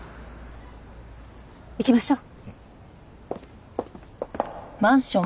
行きましょう。